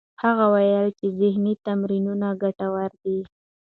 هغه وویل چې ذهنې تمرینونه ګټور دي.